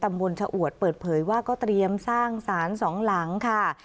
ตำบลชะอวดเปิดเผยว่าก็เตรียมสร้างสารสองหลังค่ะ